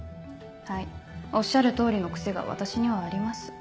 はいおっしゃる通りの癖が私にはあります。